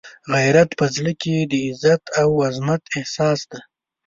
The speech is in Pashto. غیرت په زړه کې د عزت او عزمت احساس دی.